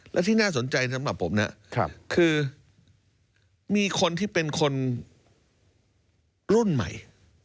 และที่น่าสนใจสำหรับผมนะคือมีคนที่เป็นคนรุ่นใหม่